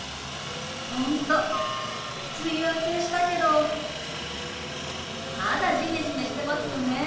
本当梅雨明けしたけどまだジメジメしてますよね。